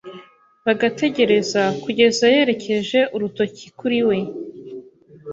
bagategereza Kugeza yerekeje urutoki kuriwe